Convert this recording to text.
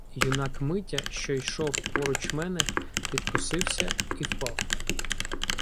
Юнак Митя, що йшов поруч мене, підкосився і впав.